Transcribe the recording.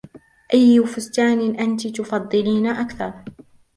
أي فستان أنتِ تفضلين أكثر ؟